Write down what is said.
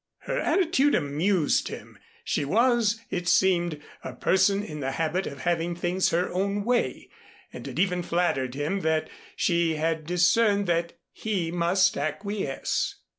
Her attitude amused him. She was, it seemed, a person in the habit of having things her own way and it even flattered him that she had discerned that he must acquiesce.